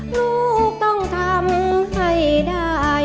ลูกต้องทำให้ได้